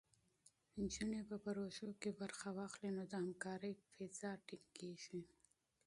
نجونې په پروژو کې برخه واخلي، نو د همکارۍ فضا ټینګېږي.